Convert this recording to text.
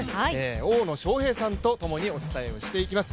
大野将平さんとともにお伝えをしていきます。